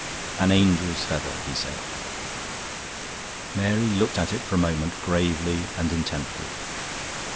"An angel's feather," he said. Mary looked at it for a moment, gravely and intently.